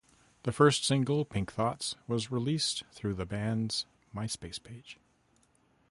The first single, "Pink Thoughts", was released through the band's MySpace page.